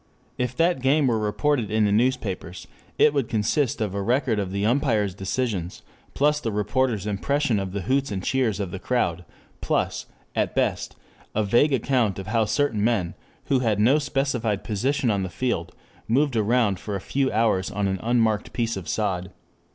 If that game were reported in the newspapers it would consist of a record of the umpire's decisions, plus the reporter's impression of the hoots and cheers of the crowd, plus at best a vague account of how certain men, who had no specified position on the field moved around for a few hours on an unmarked piece of sod.